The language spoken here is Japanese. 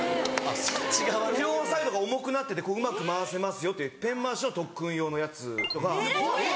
両サイドが重くなっててうまく回せますよっていうペン回しの特訓用のやつとか。